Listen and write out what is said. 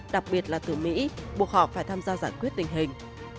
đặc biệt là từ mỹ buộc họ phải tham gia giải quyết tình hình